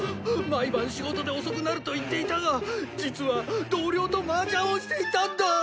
毎晩仕事で遅くなると言っていたが実は同僚とマージャンをしていたんだ！